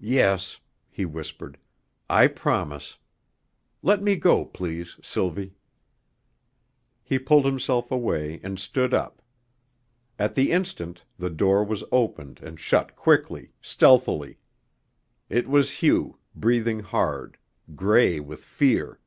"Yes," he whispered, "I promise. Let me go, please, Sylvie." He pulled himself away and stood up. At the instant, the door was opened and shut quickly, stealthily. It was Hugh, breathing hard, gray with fear.